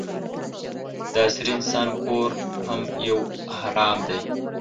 د عصري انسان کور هم یو اهرام دی.